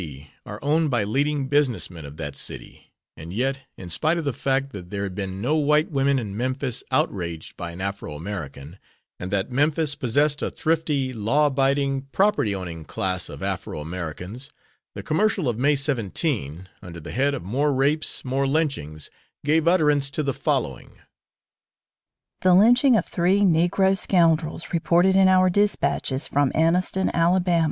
are owned by leading business men of that city, and yet, in spite of the fact that there had been no white woman in Memphis outraged by an Afro American, and that Memphis possessed a thrifty law abiding, property owning class of Afro Americans the Commercial of May 17, under the head of "More Rapes, More Lynchings" gave utterance to the following: The lynching of three Negro scoundrels reported in our dispatches from Anniston, Ala.